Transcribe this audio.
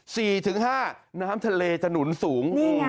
สี่ถึงห้าน้ำทะเลจะหนุนสูงนี่ไง